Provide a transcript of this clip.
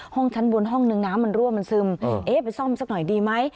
ห้องชั้นบนห้องนึงน้ำมันรั่วมันซึมเอ๊ะไปซ่อมสักหน่อยดีไหม